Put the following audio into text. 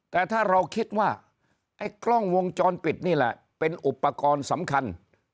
แต่ถ้าเราคิดว่าไอ้กล้องวงจรปิดนี่แหละเป็นอุปกรณ์สำคัญ